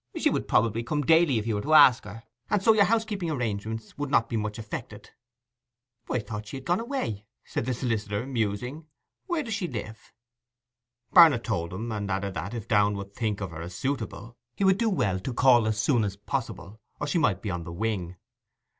She would probably come daily if you were to ask her, and so your housekeeping arrangements would not be much affected.' 'I thought she had gone away,' said the solicitor, musing. 'Where does she live?' Barnet told him, and added that, if Downe should think of her as suitable, he would do well to call as soon as possible, or she might be on the wing.